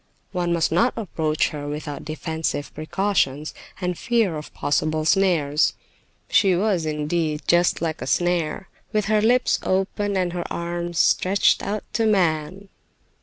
One must not approach her without defensive precautions and fear of possible snares. She was, indeed, just like a snare, with her lips open and her arms stretched out to man.